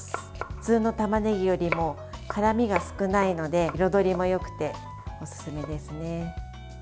普通のたまねぎよりも辛みが少ないので彩りもよくておすすめですね。